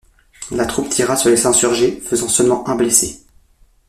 La troupe tira sur les insurgés, faisant seulement un blessé.